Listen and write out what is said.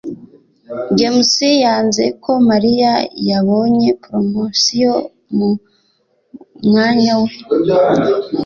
james yanze ko mariya yabonye promotion mu mwanya we